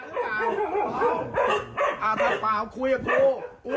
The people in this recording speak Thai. มาดูมาดูอี่